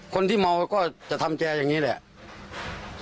คนที่เมาก็จะทำแกอย่างนี้แหละ